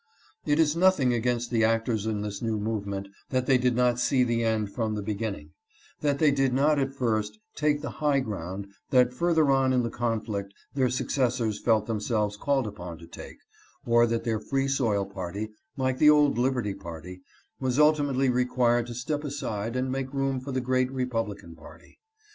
It is nothing against the actors in this new movement that they did not see the end from the beginning ; that they did not at first take the high ground that further on in the conflict their successors felt themselves called upon to take, or that their Free Soil party, like the old Liberty party, was ultimately required to step aside and make room for the great Republican party.